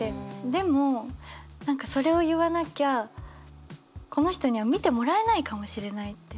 でも何かそれを言わなきゃこの人には見てもらえないかもしれないって。